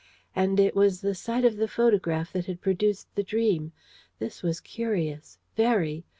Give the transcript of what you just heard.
And it was the sight of the photograph that had produced the dream. This was curious, very.